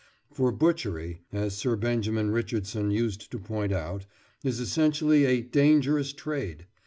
For butchery, as Sir Benjamin Richardson used to point out, is essentially a "dangerous trade."